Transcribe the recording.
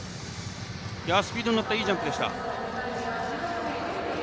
スピードに乗ったいいジャンプでした。